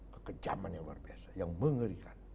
kekejaman yang luar biasa yang mengerikan